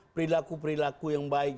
perilaku perilaku yang baik